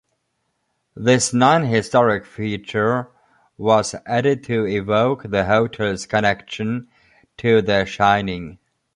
This non-historic feature was added to evoke the hotel's connection to "The Shining".